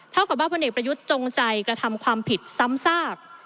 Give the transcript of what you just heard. เท่ากับว่าพลเอกประยุทธ์จงใจกระทำความผิดซ้ำซาก